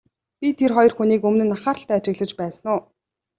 Би тэр хоёр хүнийг өмнө нь анхааралтай ажиглаж байсан уу?